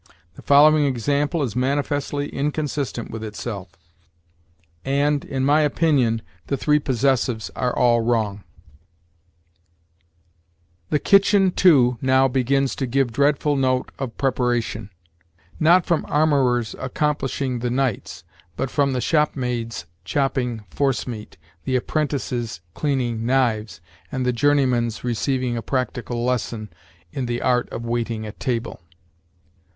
The following example is manifestly inconsistent with itself; and, in my opinion, the three possessives are all wrong: 'The kitchen, too, now begins to give dreadful note of preparation; not from armorers accomplishing the knights, but from the shopmaid's chopping force meat, the apprentice's cleaning knives, and the journeyman's receiving a practical lesson in the art of waiting at table.'